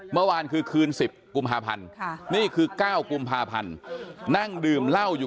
เมื่อวานคือคืน๑๐กุมภาพันธ์นี่คือ๙กุมภาพันธ์นั่งดื่มเหล้าอยู่